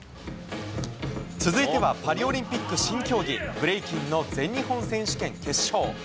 続いてはパリオリンピック新競技ブレイキンの全日本選手権決勝。